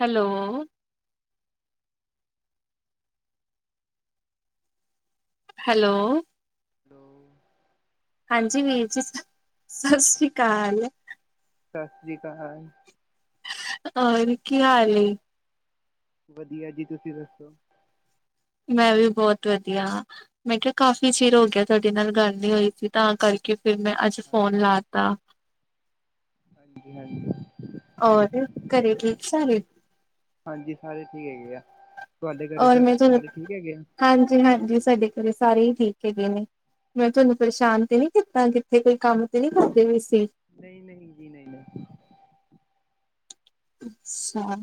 Hello hello [unintelligible] hello ਹਾਂਜੀ ਵੀਰ ਜੀ, ਸਸ੍ਰੀਕਾਲ। ਸਾਸ ਸ੍ਰੀ ਕਾਲ। ਔਰ ਕੀ ਹਾਲ ਏ? ਵਧੀਆ ਜੀ ਤੁਸੀ ਦੱਸੋ? ਮੈਂ ਵੀ ਬੌਤ ਵਧੀਆਾਂ ਮੈਂ ਕਿਆ ਕਾਫ਼ੀ ਚਿਰ ਹੋ ਗਿਆ ਤਾਡੇ ਨਾਲ ਗੱਲ ਨੀ ਹੋਈ ਸੀ ਤਾਂ ਕਰਕੇ ਕੇ ਫੇਰ ਮੈ ਅੱਜ ਫੋਨ ਲਾ ਤਾ। ਹਾਂਜੀ-ਹਾਂਜੀ ਔਰ ਘਰੇ ਠੀਕ ਸਾਰੇ ਹਾਂਜੀ ਸਾਰੇ ਠੀਕ ਹੈਗੇ ਆ ਤੁਹਾਡੇ ਘਰੇ ਸਰ ਸਾਰੇ ਠੀਕ ਹੈਗੇ ਆ ਹਾਂਜੀ-ਹਾਂਜੀ ਸਾਡੇ ਘਰੇ ਸਾਰੇ ਹੀ ਠੀਕ ਹੈਗੇ ਨੇ ਮੈਂ ਤੁਹਾਨੂੰ ਹਾਂਜੀ ਪਰੇਸ਼ਾਨ ਤੇ ਨੀ ਕੀਤਾ ਕਿੱਥੇ ਕੋਈ ਕੰਮ ਤੇ ਨੀ ਕਰਦੇ ਪਏ ਸੀ। ਨਹੀਂ-ਨਹੀਂ ਜੀ ਨਹੀਂ ਅੱਛਾ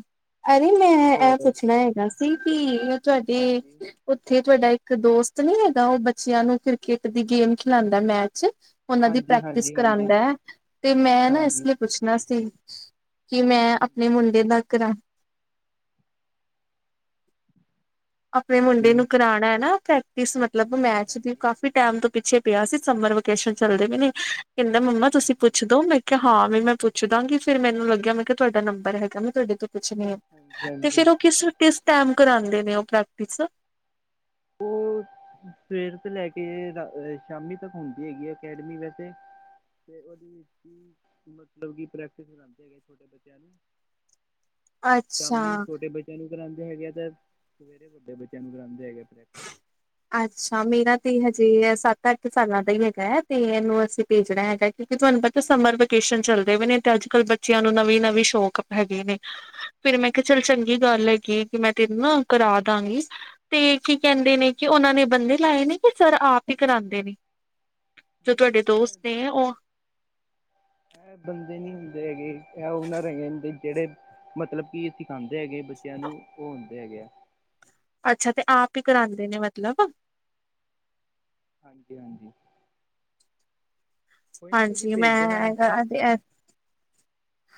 ਅਰੇ ਮੈਂ ਇਹ ਹੋਰ ਪੁੱਛਣਾ ਹੈਗਾ ਸੀ ਕਿ ਤੁਹਾਡੇ ਹਾਂਜੀ ਉੱਥੇ ਤੁਹਾਡਾ ਇੱਕ ਦੋਸਤ ਨੀ ਹੈਗਾ ਉਹ ਬੱਚਿਆਂ ਨੂੰ ਕ੍ਰਿਕਟ ਦੀ ਗੇਮ ਖਿਲਾਉਂਦਾ ਮੈਚ ਉਹਨਾਂ ਦੀ ਹਾਂਜੀ ਪ੍ਰੈਕਟਿਸ ਹਾਂਜੀ ਹਾਂਜੀ ਕਰਉਂਦਾ ਹੈ ਤੇ ਮੈਂ ਨਾ ਇਸ ਹਾਂਜੀ ਹਾਂਜੀ ਲਈ ਪੁੱਛਣਾ ਸੀ ਕਿ ਮੈਂ ਆਪਣੇ ਮੁੰਡੇ ਦਾ ਕਰਾ [inaudible] ਆਪਣੇ ਮੁੰਡੇ ਨੂੰ ਹਾਂਜੀ ਕਰਾਉਣਾ ਹੈ ਨਾ ਪ੍ਰੈਕਟਿਸ ਮਤਲਬ ਹਾਂਜੀ ਮੈਚ ਦੀ ਹਾਂਜੀ ਹਾਂਜੀ ਕਾਫੀ ਟੈਮ ਤੋਂ ਪਿੱਛੇ ਪਿਆ ਸੀ ਸਮਰ ਵੇਕੇਸ਼ਨ ਚੱਲਦੇ ਪਏ ਨੇ ਕਹਿੰਦਾ ਮੰਮਾ ਤੁਸੀਂ ਪੁੱਛ ਦੋ ਮ ਕਿ ਹਾਂ ਵੀ ਮੈਂ ਪੁੱਛ ਦਾਂਗੀ ਫ਼ਿਰ ਮੈਨੂੰ ਲੱਗਿਆ ਮੈਂ ਕਿਹਾ ਤੁਹਾਡਾ ਨੰਬਰ ਹੈਗਾ ਮੈਂ ਤੁਹਾਡੇ ਤੋਂ ਪੁੱਛਣੀ ਆ ਤੇ ਹਾਂਜੀ ਫੇਰ ਉਹ ਕਿਸ-ਕਿਸ ਟੈਮ ਕਰਾਉਂਦੇ ਨੇ ਉਹ ਪ੍ਰੈਕਟਿਸ। ਓ ਸਵੇਰ ਤੋਂ ਲੈ ਕੇ ਸ਼ਾਮੀ ਤੱਕ ਹੁੰਦੀ ਹੈਗੀ ਆ ਅਕੈਡਮੀ ਵੈਸੇ ਤੇ ਉਹਦੇ ਵਿੱਚ ਹੀ ਮਤਲਬ ਕਿ ਪ੍ਰੈਕਟਿਸ ਕਰਾਂਂਦੇ ਹੈਗੇ ਛੋਟੇ ਬੱਚੇ [unintelligible] ਸ਼ਾਮੀ ਅੱਛਾ। ਛੋਟੇ ਬੱਚਿਆਂ ਨੂੰ ਕਰਾਉਂਦੇ ਹੈਗੇ ਆ ਤੇ ਸਵੇਰੇ ਵੱਡੇ ਬੱਚਿਆਂ ਨੂੰ ਕਰਾਉਂਦੇ ਹੈਗੇ ਆ ਪ੍ਰੈਕ ਅੱਛਾ ਮੇਰਾ ਤੇ ਹਜੇ ਸਤ ਅੱਠ ਸਾਲਾਂ ਦਾ ਹੀ ਹੈਗਾ ਹੈ ਤੇ ਇਹਨੂੰ ਅਸੀਂ ਭੇਜਣਾ ਹੈਗਾ ਕਿਉਂਕਿ ਤੁਹਾਨੂੰ ਪਤਾ ਸਮਰ ਵੇਕੇਸ਼ਨ ਚੱਲਦੇ ਪਏ ਨੇ ਤੇ ਅੱਜ ਕੱਲ ਬੱਚਿਆਂ ਨੂੰ ਨਵੀਂ-ਨਵੀਂ ਸ਼ੋਕ ਹੈਗੇ ਨੇ ਫਿਰ ਮੈਂ ਕਿਹਾ ਚੱਲ ਚੰਗੀ ਗੱਲ ਹੈਗੀ ਮੈਂ ਤੈਨੂੰ ਨਾ ਕਰਾ ਦਾਂਗੀ ਤੇ ਕੀ ਕਹਿੰਦੇ ਨੇ ਕਿ ਉਹਨਾਂ ਨੇ ਬੰਦੇ ਲਏ ਨੇ ਕਿ ਸਰ ਆਪ ਹੀ ਕਰਾਉਂਦੇ ਨੇ ਜੋ ਨਹੀਂ ਤੁਹਾਡੇ ਦੋਸਤ ਇਹ ਨੇ ਉਹ ਐ ਬੰਦੇ ਨੀ ਹੁੰਦੇ ਹੈਗੇ ਉਹਨਾਂ ਦੇ ਜਿਹੜੇ ਮਤਲਬ ਕਿ ਸਿਖਾਉਂਦੇ ਹੈਗੇ ਬੱਚਿਆਂ ਨੂੰ ਉਹ ਆਉਂਦੇ ਹੈਗੇ ਆ। ਅੱਛਾ ਤੇ ਆਪ ਹੀ ਕਰਾਉਂਦੇ ਨੇ ਮਤਲਬ। ਹਾਂਜੀ -ਹਾਂਜੀ। ਕੋਈ ਨਹੀਂ ਤੁਸੀਂ ਹਾਂਜੀ ਭੇਜ ਮੈਂ ਦੇਣਾ ਹੈ ਹੈਗਾ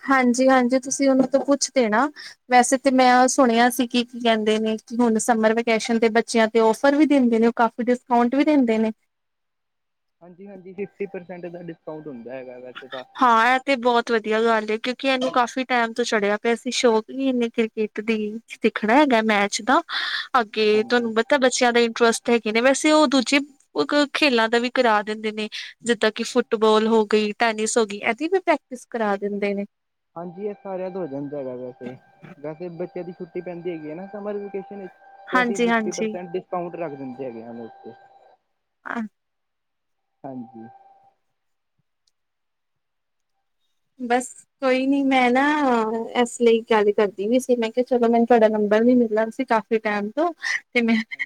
ਹਾਂਜੀ -ਹਾਂਜੀ ਤੁਸੀਂ ਉਹਨੂੰ ਤੋਂ ਪੁੱਛਦੇਣਾ ਵੈਸੇ ਤੇ ਮੈਂ ਸੁਣਿਆ ਸੀ ਕਿ ਕੀ ਕਹਿੰਦੇ ਨੇ ਕਿ ਹੁਣ ਸਮਰ ਵੇਕੇਸ਼ਨ ਤੇ ਬੱਚਿਆਂ ਤੇ ਓਫਰ ਵੀ ਦਿੰਦੇ ਨੇ। ਕਾਫੀ ਡਿਸਕਾਊਂਟ ਵੀ ਦਿੰਦੇ ਨੇ। ਹਾਂਜੀ -ਹਾਂਜੀ ਫਿਫਟੀ ਪਰਸੈਂਟ ਦਾ ਡਿਸਕਾਊਂਟ ਹੁੰਦਾ ਹੈਗਾ ਵੈੇ ਤਾਂ। ਹਾਂ ਇਹ ਤੇ ਬਹੁਤ ਵਧੀਆ ਗੱਲ ਹੈ ਕਿਉਂਕਿ ਇਹਨੂੰ ਕਾਫ਼ੀ ਟਾਈਮ ਤੋਂ ਚੜਿਆ ਪਿਆ ਅਸੀਂ ਸ਼ੌਂਕ ਹੀ ਇਨੇ ਕ੍ਰਿਕਟ ਦੀ ਸਿੱਖਣਾ ਹੈਗਾ ਮੈਥਚ ਦਾ ਅੱਗੇ ਹਾਂਜੀ ਤੁਹਾਨੂੰ ਪਤਾ ਬੱਚਿਆਂ ਦਾ ਟਰਸਟ ਹੈਗੇ ਨੇ ਵੈਸੇ ਉਹ ਦੂਜੀ ਉਹ ਖੇਲਾਂ ਦਾ ਵੀ ਕਰਾ ਦਿੰਦੇ ਨੇ ਜਿੱਦਾਂ ਕਿ ਫੁੱਟਬਾਲ ਹੋ ਗਈ ਟੈਨਿਸ ਹੋ ਗਈ ਇਹਦੀ ਵੀ ਪ੍ਰੈਕਟਿਸ ਕਰਾ ਦਿੰਦੇ ਨੇ। ਹਾਂਜੀ ਇਹ ਸਾਰਿਆਂ ਦਾ ਹੋ ਜਾਂਦਾ ਹੈਗਾ ਵੈਸੇ ਵੈਸੇ ਬੱਚਿਆਂ ਦੀ ਛੁੱਟੀ ਪੈਂਦੀ ਹੈਗੀ ਹੈ ਨਾ ਸਮਰ ਵੇਕੇਸ਼ਨ ਵਿੱਚ ਤੇ ਅਸੀਂ ਫਿਫਟੀ ਹਾਂਜੀ-ਹਾਂਜੀ। ਪਰਸੈਂਟ ਡਿਸਕਾਊਂਟ ਰੱਖ ਦਿੰਦੇ ਹੈਗੇ ਉੱਤੇ [inaudible] ਹਾਂਜੀ। ਬਸ। ਕੋਈ ਨੀ ਮੈਂ ਨਾ ਇਸ ਲਈ ਗੱਲ ਕਰਦੀ ਵੀ ਸੀ ਮੈਂ ਕਿਹਾ ਚਲੋ ਮੈਨੂੰ ਤੁਹਾਡਾ ਨੰਬਰ ਨੀ ਮਿਲਣਾ ਸੀ ਕ ਤੇ ਟੈਮ ਦੋ ਤੇ ਮੈਂ ਹਾਂ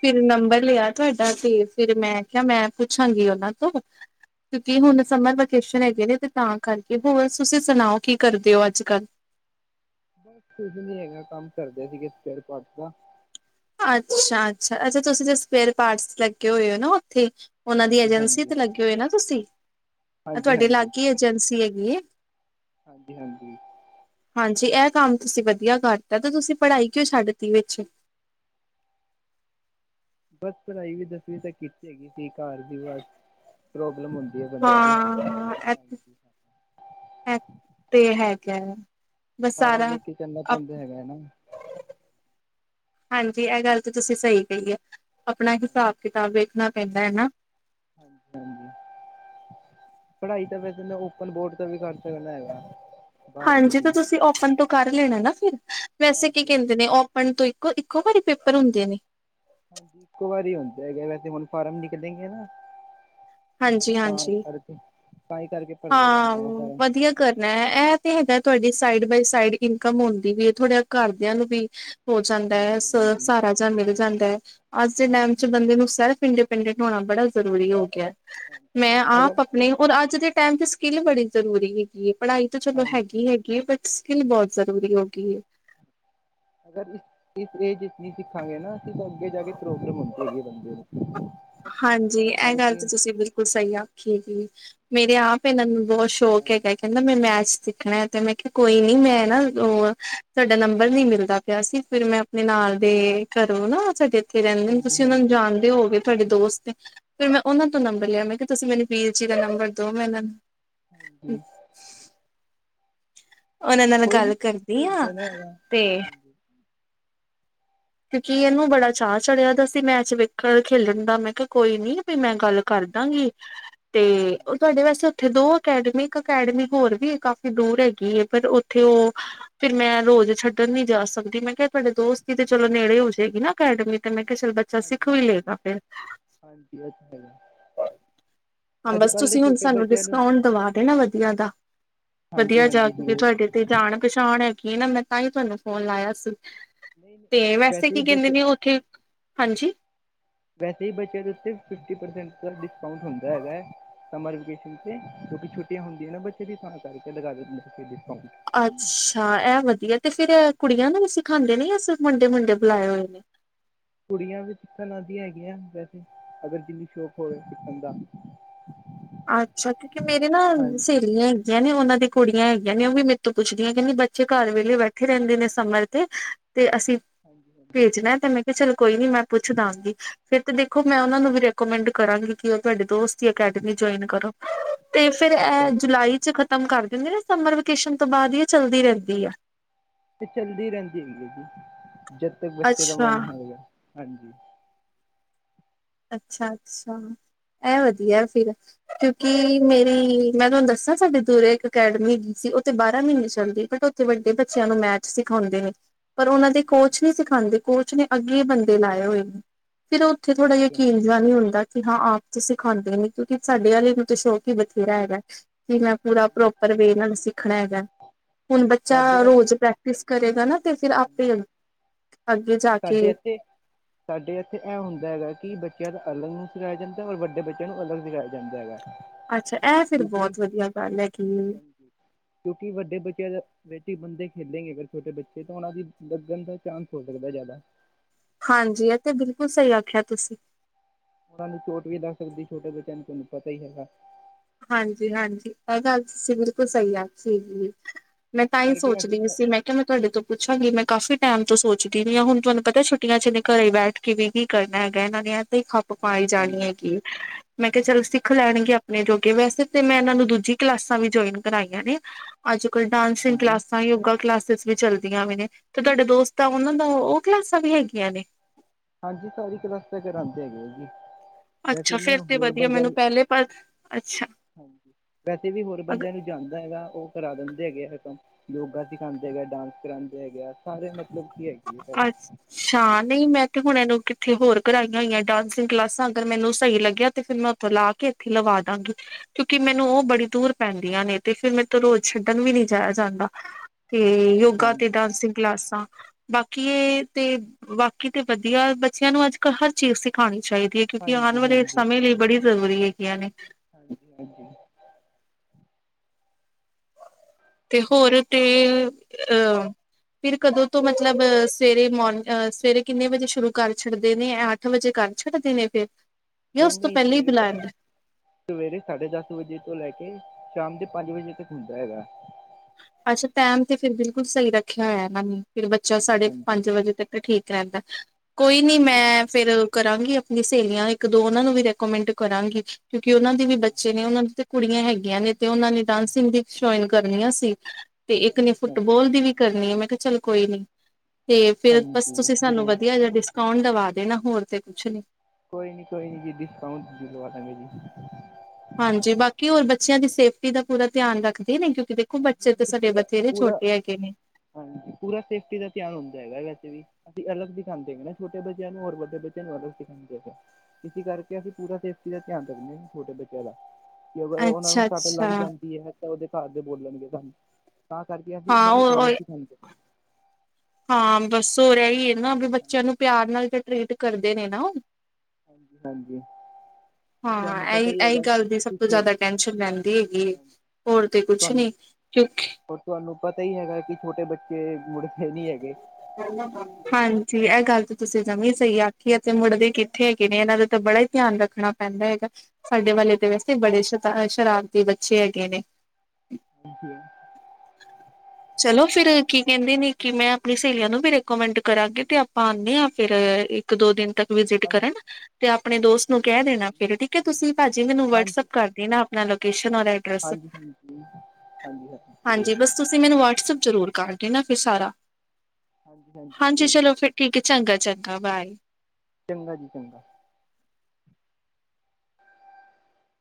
ਫਿਰ ਨੰਬਰ ਲੇਆ ਤੁਹਾਡਾ ਤੇ ਫਿਰ ਮੈਂ ਕੇਆ ਮੈਂ ਪੁੱਛਾਂਗੀ ਉਹਨਾਂ ਤੋਂ ਕਿਉਂਕਿ ਹੁਣ ਹਾਂਜੀ ਸਮਰ ਵੈਕੇਸ਼ਨ ਹੈਗੇ ਨੇ ਤੇ ਤਾਂ ਕਰਕੇ, ਹੋਰ ਤੁਸੀਂ ਸੁਣਾਓ ਕੀ ਕਰਦੇ ਔ ਅੱਜ ਕੱਲ੍ਹ? ਬਸ ਕੁਝ ਨੀ ਹੈਗਾ ਕੰਮ ਕਰਦੇ ਸੀਗੇ ਸਪੇਅਰ ਪਾਟਸ ਦਾ। ਅੱਛਾ-ਅੱਛਾ, ਅੱਛਾ ਤੁਸੀਂ ਜ ਸਪੇਅਰ ਪਾਰਟਸ ਲੱਗੇ ਹੋਏ ਹੋ ਨਾ ਓਥੇ? ਉਹਨਾਂ ਦੀ ਹਾਂਜੀ ਏਜੰਸੀ ਹਾਂਜੀ ਤੇ ਲੱਗੇ ਹੋਏ ਨਾ ਤੁਸੀਂ? ਹਾਂਜੀ ਤੁਹਾਡੇ ਹਾਂਜੀ ਲਾਗੇ ਹੀ ਏਜੰਸੀ ਹੈਗੀ ਏ। ਹਾਂਜੀ-ਹਾਂਜੀ। ਹਾਂਜੀ ਏਹ ਕੰਮ ਤੁਸੀਂ ਵਧੀਆ ਕਰਤਾ ਤੇ ਤੁਸੀਂ ਪੜ੍ਹਾਈ ਕਿਉਂ ਛੱਡ ਤੀ ਵਿੱਚ? ਬਸ ਪੜ੍ਹਾਈ ਵੀ ਦਸਵੀਂ ਤੱਕ ਕੀਤੀ ਹੈਗੀ ਸੀ ਕਾਰ ਦੀ ਬਸ ਪ੍ਰੋਬਲਮ ਹੁੰਦੀ ਏ ਬੰਦੇਆਂ ਦੀ, ਹਾਂ ਹਾਂਜੀ। ਐ ਤੇ ਹੈਗਾ ਏ, ਬਸ ਸਾਰਾ ਅਪ ਹੈਨਾ ਹਾਂਜੀ ਏਹ ਗੱਲ ਤੇ ਤੁਸੀਂ ਸਈ ਕਹੀ ਏ, ਅਪਣਾ ਹਾਂਜੀ ਹਿਸਾਬ ਕਿਤਾਬ ਵੇਖਣਾ ਪੈਂਦਾ ਹੈ ਨਾ। ਹਾਂਜੀ-ਹਾਂਜੀ। ਪੜ੍ਹਾਈ ਤਾਂ ਵੈਸੇ ਮੈਂ ਓਪਨ ਬੋਰਡ ਤੋਂ ਵੀ ਕਰ ਸਕਨਾ ਹੈਗਾ। ਬਾਰਵੀਂ ਹਾਂਜੀ ਤੇ ਦੀ ਤੁਸੀਂ ਓਪਨ ਤੋਂ ਕਰ ਲੈਣਾ ਨਾ ਫਿਰ, ਵੈਸੇ ਕੀ ਹਾਂਜੀ ਕੈਂਦੇ ਹਾਂਜੀ ਨੇ ਓ ਪਨ ਤੋਂ ਇੱਕੋ ਇੱਕੋ ਵਾਰੀ ਪੇਪਰ ਹੁੰਦੇ ਨੇ। ਹਾਂਜੀ ਇੱਕੋ ਵਾਰੀ ਹੁੰਦੇ ਹੈਗੇ ਨੇ ਤੇ ਹੁਣ ਫਾਰਮ ਨਿਕਦੇ ਈ ਏਨਾ। ਹਾਂਜੀ ਤਾ ਹਾਂਜੀ ਕਰਕੇ ਤਾਂ ਈ ਕਰਕੇ ਭਰਨੇ ਹਾਂ ਪੈਣੇ ਆ ਉਹ ਫਾਰਮ ਵਧੀਆ ਕਰਨਾ ਏ ਏਹ ਤੇ ਹੈਗਾ ਤੁਹਾਡੀ ਸਾਈਡ ਬਾਏ ਸਾਈਡ ਇਨਕਮ ਹੁੰਦੀ ਵੀ ਹੈ ਥੋੜਡਾ ਕਾਰਦੇਆਂ ਨੂੰ ਵੀ ਹੋ ਜਾਂਦਾ ਏ ਹਾਂਜੀ ਸ ਹਾਂਜੀ ਸਾਰਾ ਜਾਹ ਮਿਲ ਜਾਂਦਾ ਏ, ਅੱਜ ਦੇ ਟੈਮ ਚ ਹਾਂਜੀ ਬੰਦੇ ਨੂੰ ਸੇਲ ਪਿੰਡੇ-ਪਿੰਡੇ ਨਵਾਨਾ ਬੜਾ ਜ਼ਰੂਰੀ ਹੋ ਗੇਆ ਏ, ਮੈਂ ਆਪ ਅਗਰ ਅਪਣੇ ਔਰ ਅੱਜ ਦੇ ਟੈਮ ਚ ਸਕਿੱਲ ਬੜੀ ਜ਼ਰੂਰੀ ਹੈਗੀ ਏ ਪੜ੍ਹਾਈ ਤੇ ਚਲੋ ਹਾਂਜੀ ਹੈਗੀ-ਹੈਗੀ ਏ ਬਟ ਸਕਿਲ ਬੋਹਤ ਜ਼ਰੂਰੀ ਹੋ ਗਈ ਏ। ਅਗਰੀ ਇਸ ਏਜ ਇੱਚ ਨੀ ਸਿੱਖਾਂਗੇ ਨਾ [unintelligible] ਅੱਗੇ ਜਾ ਕੇ ਪ੍ਰੋਬਲਮ ਹੁੰਦੀ ਹੈਗੀ ਏ ਬੰਦੇ ਨੂੰ। ਹਾਂਜੀ ਤਾਂ ਹੀ ਏਹ ਗੱਲ ਕਰਕੇ ਤੇ ਤੁਸੀਂ ਬਿਲਕੁਲ ਸਈ ਆਖੀ ਹੈਗੀ, ਮੇਰੇ ਆਪ ਏਹਨਾਂ ਨੂੰ ਬੋਹਤ ਹਾਂ ਨੋਕ ਹੈਗਾ ਏ ਕੇਹੰ ਕੇਂਦਾ ਮੈਂ ਮੈਚ ਸਿੱਖਣਾ ਏ ਤੇ ਮੈਂ ਕੇਆ ਕੋਈ ਨੀ, ਮੈਂ ਨਾ ਉਹ ਤੁਆਡਾ ਨੰਬਰ ਨੀ ਮਿਲਦਾ ਪੇਆ ਸੀ ਫਿਰ ਮੈਂ ਨਾਲ ਦੇ ਘਰੋਂ ਨਾ, ਸਾਡੇ ਏਥੇ ਰੇਹੰਦੇ ਨੇ, ਹਾਂਜੀ ਤੁਸੀਂ ਉਹਨਾਂ ਨੂੰ ਹਾਂਜੀ ਜਾਣਦੇ ਹੋਓਗੇ? ਤੁਆਡੇ ਦੋਸਤ ਨੇ, ਫੇਰ ਮੈਂ ਉਹਨਾਂ ਤੋਂ ਨੰਬਰ ਲੇਆ ਮੈਂ ਕੇਹਾ ਤੁਸੀਂ ਮੈਨੂੰ ਵੀਰ ਜੀ ਦਾ ਨੰਬਰ ਦੋ, ਮੈਂ ਉਨਾਂ ਨੂੰ ਹਾਂਜੀ। ਉਹਨਾਂ ਨਾਲ ਕੋਈ ਨੀ ਗਾਲ ਕਰਦੀ ਆ, ਭੇਜਦੇ ਨਾ ਹੈਗਾ ਤੇ ਕਿਉਂਕਿ ਏਹਨੂੰ ਬੜਾ ਚਾਅ ਚੜੇਆ ਦਾ ਸੀ ਮੈਚ ਵੇਖਣ, ਖੇਲਨ ਦਾ ਮੈਂ ਕੇਹਾ ਕੋਈ ਨੀ, ਬੀ ਮੈਂ ਗੱਲ ਕਾਰ ਦਾਂਗੀ, ਤੇ ਉਹ ਤੁਆਡੇ ਵੈਸੇ ਉੱਥੇ ਦੋ ਅਕੈਡਮੀ, ਇੱਕ ਅਕੈਡਮੀ ਹੋਰ ਵੀ ਏ ਕਾਫ਼ੀ ਦੂਰ ਹੈਗੀ ਏ ਪਰ ਉਥੇ ਉਹ ਫਿਰ ਮੈਂ ਰੋਜ਼ ਛੱਡਣ ਨੀ ਜਾ ਸਕਦੀ। ਮੈਂ ਕੇਹਾ ਤੁਹਾਡੇ ਦੋਸਤ ਵੀ ਤੇ ਚਲੋ ਨੇੜੇ ਹੋ ਜੇ ਗੀ ਨਾ ਅਕੈਡਮੀ ਤੇ ਮੈਂ ਕੇਹਾ ਚਲ ਬ ਚਾ ਸਿੱਖ ਹਾਂਜੀ ਵੀ ਹਾਂਜੀ ਲੇਗਾ ਫੇਰ। ਹਾਂਜੀ ਇਹ ਤਾਂ ਹੈਗਾ ਹਾਂ ਅੱਜ ਬਸ ਕੱਲ੍ਹ ਦੇ ਤੁਸੀਂ ਹੁਣ ਛੋਟੇ ਸਾਨੂੰ ਬੱਚਿਆਂ ਨੂੰ ਡਿਸਕਾਊਂਟ ਦਵਾ ਦੇਨਾ ਵਧੀਆ ਦਾ। ਹਾਂਜੀ ਵਧੀਆ ਜਾ, ਹਾਂਜੀ ਕਿਉਂਕਿ ਜ਼ਰੂਰ ਤੁਹਾਡੇ ਤੇ ਜਾਣ ਪਛਾਣ ਹੈਗੀ ਨਾ, ਮੈਂ ਤਾਂ ਈ ਤੁਹਾਨੂੰ ਫੋਨ ਲਾਏਆ ਸੀ। ਨਹੀਂ ਨਹੀਂ ਤੇ ਵੈਸੇ ਹੀ ਕੀ ਕੇਹੰਦੇ ਬੱਚੇ ਨੇ ਓਥੇ, ਹਾਂਜੀ? ਵੈਸੇ ਈ ਬਚੇਆ ਦੇ ਉੱਤੇ ਫਿਫਟੀ ਪਰਸੈਂਟ ਦਾ ਡਿਸਕਾਊਂਟ ਹੁੰਦਾ ਹੈਗਾ ਏ। ਸਮਰ ਵੇਕੇਸ਼ਨ ਤੇ, ਕਿਉਕਿ ਛੁੱਟੀਆਂ ਹੁੰਦੀਆਂ ਨਾ, ਬੱਚੇ ਵੀ ਸ ਕਰਕੇ ਲਗਾਵਾਦੇ ਅੱਛਾ! ਇਹ ਵਧੀਆ ਤੇ ਫੇਰ ਕੁੜੀਆਂ ਨੂੰ ਵੀ ਸਿਖਾਂਦੇ ਨੇ, ਮੁੰਡੇ-ਮੁੰਡੇ ਬੁਲਾਏ ਹੋਏ ਨੇ। ਕੁੜੀਆਂ ਵੀ ਸਿੱਖਣ ਆਉਂਦੀਆਂ ਹੈਗੀਆਂ। ਵੈਸੇ, ਅਗਰ ਜਿੰਨੀ ਸ਼ੌਕ ਹੋਵੇ ਸਿੱਖਣ ਦਾ। ਅੱਛਾਜੀ। ਕਿਉਂਕਿ ਮੇਰੀ ਨਾ, ਹਾਂਜੀ ਸਹੇਲੀ ਹੈ। ਹੈਗੀਆਂ ਨੇ। ਉਹਨਾਂ ਦੀ ਕੁੜੀਆਂ ਹੈਗੀਆਂ ਨੇ, ਉਹ ਵੀ ਮੇਰੇ ਤੋਂ ਪੁੱਛਦੀਆਂ ਕਹਿੰਦੀ ਬੱਚੇ ਘਰ ਵੇਲੇ ਬੈਠੇ ਰਹਿੰਦੇ ਨੇ ਸਮੇਰ ਤੇ। ਤੇ ਅਸੀਂ ਭੇਜਣਾ ਤੇ ਮੈਂ ਕਿਹਾ ਚਲੋ ਕੋਈ ਨੀ ਮੈਂ ਪੁੱਛ ਦਵਾਂਗੀ। ਫੇਰ ਤੇ ਦੇਖੋ, ਮੈਂ ਉਹਨਾਂ ਨੂੰ ਵੀ ਰਿਕੋਮੈਂਡ ਕਰਾਂਗੀ ਕਿ ਉਹ ਤੁਹਾਡੇ ਦੋਸਤ ਅਕੈਡਮੀ ਜੁਆਇਨ ਕਰੋ। ਤੇ ਫੇਰ ਇਹ ਜੁਲਾਈ ਚ' ਖਤਮ ਕਰ ਦਿੰਦੇ ਨਾ ਸਮਰ ਵਕੇਸ਼ਨ ਤੋਂ ਬਾਅਦ ਹੀ ਚੱਲਦੀ ਰਹਿੰਦੀ ਆ। ਤੇ ਚੱਲਦੀ ਰਹਿੰਦੀ ਐ। ਹਾਜ਼ੀ, ਜਦ ਤੱਕ ਬੱਚੇ ਦਾ ਅੱਛਾ ਮਨ ਹੈਗਾ। ਹਾਂਜੀ। ਅੱਛਾ-ਅੱਛਾ। ਇਹ ਵਧੀਆ ਫਿਰ, ਕਿਉਂਕਿ ਮੇਰੀ ਮੈਂ ਤੁਹਾਨੂੰ ਦੱਸਾਂ ਸਾਡੇ ਸੂਰ ਇੱਕ ਅਕੈਡਮੀ। ਉਹਥੇ ਬਾਰਾਂ ਮਹੀਨੇ ਚੱਲਦੀ ਬਟ, ਉੱਥੇ ਵੱਡੇ ਬੱਚਿਆਂ ਨੂੰ ਮੈਚ ਸਿਖਾਉਂਦੇ ਨੇ। ਪਰ ਉਹਨਾਂ ਦੇ ਹਾਂਜੀ ਕੋਚ ਨਹੀ ਸਿਖਾਉਦੇ‌। ਕੋਚ ਨੇ ਅੱਗੇ ਬੰਦੇ ਲਾਏ ਹੋਏ ਨੇ, ਫਿਰ ਉਹ ਉੱਥੇ ਥੋੜ੍ਹਾ ਜਿਹਾ ਹਾਂਜੀ ਨ ਹੁੰਦਾ ਕਿ ਹਾਂ ਆਪ ਚ' ਸਿਖਾਂਦੇ ਨੀ, ਕਿਉਂਕਿ ਸਾਡੇ ਵਾਲੇ ਨੂੰ ਤਾਂ ਸ਼ੌਕ ਹੀ ਬਥੇਰਾ ਹੈਗਾ। ਕਿ ਮੈਂ ਪੂਰਾ ਪ੍ਰੋਪਰ ਵੇ ਨਾਲ ਨੂੰ ਸਿੱਖਣਾ ਹੈਗਾ। ਹੁਣ, ਬੱਚਾ ਸਾਡੇ ਰੋਜ਼ ਪ੍ਰੈਕਟਿਸ ਕਰੇਗਾ ਨਾ ਤੇ ਫਿਰ ਆਪੇ ਹਾਂਜੀ ਅੱਗੇ ਜਾ ਸਾਡੇ ਕੇ ਇੱਥੇ ਸਾਡੇ ਇੱਥੇ ਇਹ ਹੁੰਦਾ ਹੈਗਾ, ਕਿ ਬੱਚਿਆਂ ਦਾ ਅਲੱਗ ਨੂੰ ਸਿਖਾਇਆ ਜਾਂਦਾ ਐ, ਔਰ ਵੱਡੇ ਬੱਚਿਆਂ ਨੂੰ ਅਲੱਗ ਸਿਖਾਇਆ ਜਾਂਦਾ ਹੈਗਾ। ਅੱਛਾ। ਇਹ ਫੇਰ ਕਿਉਂਕਿ ਬਹੁਤ ਵਧੀਆ ਗੱਲ ਹੈਗੀ ਏ। ਕਿਉਂਕਿ ਵੱਡੇ ਬੱਚੇ ਦਾ ਬੇਠ ਬੰਦੇ ਖੇਡਣਗੇ, ਅਗਰ ਛੋਟੇ ਬੱਚੇ ਤਾਂ ਉਹਨਾਂ ਦੀ ਲੱਗਣ ਦਾ ਚਾਂਸ ਹੋ ਸਕਦਾ ਜ਼ਿਆਦਾ। ਹਾਂਜੀ। ਇਹ ਤੇ ਬਿਲਕੁਲ ਸਹੀ ਆਖਿਆ ਤੁਸੀਂ। ਉਹਨਾਂ ਨੂੰ ਚੋਟ ਵੀ ਲੱਗ ਸਕਦੀ ਛੋਟੇ ਬੱਚਿਆਂ ਨੂੰ ਤੈਨੂੰ ਪਤਾ ਹੀ ਹੈਗਾ। ਹਾਂਜੀ-ਹਾਂਜੀ, ਇਹ ਗੱਲ ਤੁਸੀਂ ਬਿਲਕੁਲ ਸਹੀ ਆਖੀ ਹੈਗੀ ਏ। ਮੈਂ ਇਸ ਤਾਂ ਹੀ ਕਰਕੇ ਅਸੀਂ ਸੋਚਦੀ ਸੀ। ਮੈਂ ਤੇ ਮੈਂ ਤੁਹਾਡੇ ਤੋਂ ਪੁੱਛਾਂਗੀ। ਮੈਂ ਕਾਫੀ ਟਾਈਮ ਤੋਂ ਸੋਚਦੀ ਵੀ ਹਾ, ਹੁਣ ਤੁਹਾਨੂੰ ਪਤਾ ਛੁੱਟੀਆਂ ਹਾਂਜੀ ਨੇ ਘਰੇ ਹੀ ਹਾਂਜੀ ਬੈਠ ਕਿਵੇਂ ਕੀ ਕਰਨਾ ਹੈਗਾ। ਇਹਨਾਂ ਦੀ ਤੇ ਹੀ ਖੱਪ ਪਾਾਈ ਹਾਂਜੀ ਜਾਣੀ ਹਾਂਜੀ ਹੈਗੀ। ਮੈਂ ਕਿਹਾ ਚਲੋ ਹਾਂਜੀ ਸਿੱਖ ਲੈਣਗੇ‌। ਨੇ, ਜੋ ਕਿ ਵੈਸੇ ਤੇ ਮੈਂ ਇਹਨਾਂ ਨੂੰ ਦੂਜੀ ਕਲਾਸਾਂ ਵੀ ਜੁਆਇਨ ਕਰਾਈਆਂ ਨੇ। ਅੱਜ-ਕੱਲ੍ਹ, ਹਾਂਜੀ ਡਾਂਸਿੰਗ ਹਾਂਜੀ ਕਲਾਸਾਂ, ਯੋਗਾ ਕਲਾਸਿਸ ਵੀ ਚਲਦੀਆਂ ਵੀ ਨੇ, ਤੇ ਤੁਹਾਡੇ ਦੋਸਤ ਆ ਉਹਨਾਂ ਦਾ ਉਹ ਕਲਾਸਾਂ ਵੀ ਹੈਗੀਆਂ ਨੇ। ਹਾਂਜੀ। ਸਾਰੀ ਕਲਾਸਾਂ ਕਰਾਉਂਦੇ ਹੈਗੇ ਆ। ਵੈਸੇ ਅੱਛਾ ਮੈਂ ਫੇਰ ਤੇ ਹੋਰ ਵਧੀਆ ਬੰਦਿਆਂ ਮੈਨੂੰ ਨੂੰ, ਪਹਿਲੇ ਪਰ ਅੱਛਾ ਹਾਂਜੀ। ਵੈਸੇ ਵੀ ਹੋਰ ਅਗ ਬੰਦਿਆਂ ਨੂੰ ਜਾਂਦਾ ਹੈਗਾ। ਉਹ ਕਰਾ ਦਿੰਦੇ ਹੈਗੇ ਆ, ਇਹ ਕੰਮ ਯੋਗਾ ਸਿਖਾਉਂਦੇ ਹੈਗੇ, ਡਾਂਸ ਕਰਾਉਂਦੇ ਹੈਗੇ ਆ, ਸਾਰੇ ਮਤਲਬ। ਕੀ ਹੈਗੀ ਹੈ। ਫੇਰ ਛਾ ਨਹੀਂ, ਮੈਂ ਤੇ ਹੁਣ ਇਹਨੂੰ ਕਿੱਥੇ ਹੋਰ ਕਰਵਾਾਈਆਂ ਹੋਈਆਂ ਡਾਂਸਿੰਗ ਕਲਾਸਾਂ। ਅਗਰ ਮੈਨੂੰ ਸਹੀ ਲੱਗਿਆ ਤੇ ਫਿਰ ਮੈਂ ਉੱਥੋਂ ਲਾ ਕੇ ਇੱਥੇ ਲਵਾ ਦਾਂਗੀ। ਕਿਉਂਕਿ ਮੈਨੂੰ ਉਹ ਬੜੀ ਦੂਰ ਪੈਂਦੀਆਂ ਨੇ, ਤੇ ਫਿਰ ਮੈਰੇ ਤੋਂ ਰੋਜ਼ ਛੱਡਣ ਵੀ ਨਹੀਂ ਜਾਇਆ ਜਾਂਦਾ। ਤੇ ਯੋਗਾ ਤੇ ਡਾਂਸਿੰਗ ਕਲਾਸਾਂ। ਬਾਕੀ ਇਹ ਤੇ, ਬਾਕੀ ਤੇ ਵਧੀਆ ਬੱਚਿਆਂ ਨੂੰ ਅੱਜਕਲ੍ਹ ਕੱਲ ਹਰ ਚੀਜ਼ ਸਿਖਾਉਣੀ ਚਾਹੀਦੀ ਹੈ। ਕਿਉਂਕਿ ਆਉਣ ਹਾਂਜੀ ਹਾਂਜੀ ਵਾਲੇ ਸਮੇਂ ਲਈ ਬੜੀ ਜ਼ਰੂਰੀ ਹੈਗੀਆਂ ਨੇ। ਹਾਂਜੀ- ਹਾਂਜੀ। ਤੇ ਹੋਰ ਤੇ ਅ ਆ। ਫਿਰ ਕਦੋਂ ਤੋਂ ਮਤਲਬ ਸਵੇਰੇ ਮੋਰਨਹ ਸਵੇਰੇ ਕਿੰਨੇ ਵਜੇ ਸ਼ੁਰੂ ਕਰ ਛੱਡਦੇ ਨੇ? ਅੱਠ ਵਜੇ ਕਰ ਛੱਡਦੇ ਨੇ ਫੇਰ ਯਾ ਨਹੀਂ ਉਸ ਤੋਂ ਨਹੀਂ ਪਹਿਲਾਂ ਹੀ ਸਵੇਰੇ ਬੁਲਾਦਾ। ਸਵੇਰੇ ਸਾਢੇ ਦਸ ਵਜੇ ਤੋਂ ਲੈ ਕੇ ਸ਼ਾਮ ਦੇ ਪੰਜ ਵਜੇ ਤੱਕ ਹੁੰਦਾ ਹੈਗਾ। ਅੱਛਾ ਟੈਮ ਤੇ ਫਿਰ ਬਿਲਕੁਲ ਸਹੀ ਰੱਖਿਆ ਹੋਇਆ ਏਨਾਂ ਨੇ ਫਿਰ ਬੱਚਾ ਹਾਂਜੀ ਸਾਢੇ ਹਾਂਜੀ ਪੰਜ ਵਜੇ ਤੱਕ। ਤੇ ਠੀਕ ਰੈਂਦਾ, ਕੋਈ ਨੀ ਹਾਂਜੀ ਮੈਂ ਫੇਰ ਕਰਾਂਗੀ ਆਪਣੀਆਂ ਸਹੇਲੀਆਂ ਇੱਕ ਦੋ ਓਨਾਂ ਨੂੰ ਵੀ ਰੈਕੋਮੈਂਡ ਕਰਾਂਗੀ। ਕਿਉਂਕਿ ਓਨਾਂ ਦੀ ਵੀ ਬੱਚੇ ਨੇ ਓਨਾਂ ਦੀ ਤੇ ਕੁੜੀਆਂ ਹੈਗੀਆਂ ਨੇ ਤੇ ਓਨਾਂ ਨੇ ਡਾਂਸਿੰਗ ਦੀ ਜੁਆਇਨ ਕਰਨੀਆਂ ਸੀ। ਤੇ ਇੱਕ ਨੇ ਫੁੱਟਬੋਲ ਦੀ ਵੀ ਕਰਨੀ ਐ ਮੈਂ ਕਿਆ ਚੱਲ ਕੋਈ ਨੀ। ਤੇ ਫਿਰ ਬਸ ਹਾਂਜੀ ਤੁਸੀਂ ਸਾਨੂੰ ਜ਼ਰੂਰ ਵਦੀਆ ਜਾ ਡਿਸਕਾਊਂਟ ਦਵਾ ਦੇਣਾ ਹੋਰ ਤੇ ਕੁਛ ਨੀ। ਕੋਈ ਨੀ ਕੋਈ ਨੀ ਦੀਦੀ, ਡਿਸਕਾਊਂਟ ਦਿਲਵਾ ਦੇਗਾ ਜੀ। ਹਾਂਜੀ ਬਾਕੀ ਹੋਰ ਬੱਚੇਆਂ ਦੀ ਸੇਫਟੀ ਦਾ ਪੂਰਾ ਧਿਆਨ ਰੱਖਦੇ ਨੇ ਕਿਉਂਕਿ ਦੇ ਖੋ ਹਾਂਜੀ ਬੱਚੇ ਤੇ ਹਾਂਜੀ ਸਾਡੇ ਪੂਰਾ ਬਥੇਰੇ ਪੂਰਾ ਛੋਟੇ ਹੈਗੇ ਨੇ। ਹਾਂਜੀ ਪੂਰਾ ਸੇਫਟੀ ਦਾ ਧਿਆਨ ਹੁੰਦਾ ਹੈਗਾ ਐ ਵੈਸੇ ਵੀ। ਅਸੀਂ ਅਲਗ ਦਿਖਾਂਦੇ ਹੈਗੇ ਨਾ ਛੋਟੇ ਬੱਚੇਆਂ ਨੂੰ ਔਰ ਵੱਡੇ ਬੱਚੇਆਂ ਨੂੰ ਅਲਗ ਸਿਖਾਂਦੇ ਹੈਗੇ ਆ। ਇਸੀ ਕਰਕੇ ਅਸੀਂ ਪੂਰਾ ਸੇਫਟੀ ਦਾ ਧਿਆਨ ਰੱਖਦੇ ਆਂ ਛੋਟੇ ਬੱਚੇਆਂ ਦਾ। ਕਿ ਅਗਰ ਓਨਾਂ ਨੂੰ ਅੱਛਾ ਸੱਟ ਲੱਗ‌ ਅੱਛਾ ਜਾਦੀ ਐ ਤਾਂ ਓਦੇ ਘਰ ਦੇ ਬੋਲਣਗੇ ਸਾਨੂੰ। ਤਾਂ ਕਰਕੇ ਅਸੀਂ ਹਾਂ ਓਨਾਂ ਨੂੰ ਉਹ ਅਲਗ ਈ ਲੈਂਦੇ ਆ। ਹਾਂ ਬਸ ਹੋ ਰਿਆ ਈ ਏ ਹਨਾ ਵੀ ਬੱਚੇਆਂ ਹਾਂਜੀ ਨੂੰ ਪਿਆਰ ਨਾਲ ਤੇ ਟਰੀਟ ਕਰਦੇ ਨੇ ਨਾ ਓ? ਹਾਂਜੀ-ਹਾਂਜੀ। ਹਾਂਜੀ। ਹਾਂ ਤੁਹਾਨੂੰ ਪਤਾ ਏਈ, ਹੀ ਏਈ ਹੈਗਾ ਗੱਲ ਦੀ ਸਬ ਕਿ ਤੋਂ ਛੋ ਜ਼ਾਦਾ ਟੈਸ਼ਨ ਰੈਂਦੀ ਹੈਗੀ ਏ। ਹੋਰ ਤੇ ਕੁਛ ਨੀ, ਕਿਉਂਕਿ ਹੁਣ ਤੁਆਨੂੰ ਪਤਾ ਈ ਹੈਗਾ ਕਿ ਛੋਟੇ ਬੱਚੇ ਮੁੜ ਦੇ ਨੀ ਹੈਗੇ। ਹਾਂਜੀ ਐ ਗੱਲ ਤੇ ਤੁਸੀਂ ਜਮੀ ਹਾਂਜੀ ਸਹੀ ਆਖੀ ਐ ਤੇ ਮੁੜਦੇ ਕਿੱਥੇ ਹੈਗੇ ਨੇ ਏਨਾਂ ਦੇ ਤਾਂ ਬੜਾ ਈ ਹਾਂਜੀ ਧਿਆਨ ਰੱਖਣਾ ਪੈਂਦਾ ਹੈਗਾ, ਸਾਡੇ ਵਾਲੇ ਤਾਂ ਵੈਸੇ ਈ ਬੜੇ ਸ਼ਰਾ ਤਾ ਅ ਸ਼ਰਾਰਤੀ ਬੱਚੇ ਹੈਗੇ ਨੇ। ਹਾਂਜੀ। ਚਲੋ ਫਿਰ ਕੀ ਕੈਂਦੇ ਨੇ ਕਿ ਮੈਂ ਆਪਣੀ ਸੇਲੀਆਂ ਨੂੰ ਵੀ ਰਿਕੋਮੈਂਡ ਕਰਾਂ ਕਿਉਂਕਿ ਆਪਾਂ ਆਨੇ ਆਂ ਫਿਰ ਹਾਂਜੀ ਇੱਕ ਦੋ ਦਿਨ ਤੱਕ ਵਿਜ਼ਿਟ ਕਰਨ। ਤੇ ਆਪਣੇ ਦੋਸਤ ਨੂੰ ਕੈ ਹਾਂਜੀ ਦੇਣਾ ਫਿਰ ਠੀਕ ਐ ਤੁਸੀਂ ਭਾਜੀ ਮੈਨੂੰ ਵਟਸਅੱਪ ਕਰ ਦੇਨਾ ਆਪਣਾ ਲੋਕੇਸ਼ਨ ਔਰ ਆਈਡੀ। ਹਾਂਜੀ-ਹਾਂਜੀ, ਹਾਂਜੀ-ਹਾਂਜੀ, ਜਰੂਰ। ਹਾਂਜੀ ਬਸ ਤੁਸੀਂ ਮੈਨੂੰ ਵਟਸਅੱਪ ਜ਼ਰੂਰ ਕਰ ਦੇਨਾ ਫਿਰ ਸਾਰਾ। ਹਾਂਜੀ ਚਲੋ ਫਿਰ ਠੀਕ ਐ ਚੰਗਾ-ਚੰਗਾ ਬਾਏ। ਚੰਗਾ ਜੀ ਚੰਗਾ।